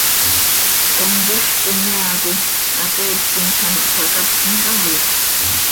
¿Tom quixt inyaa coi hateiictim z ano nsacapnij haaya?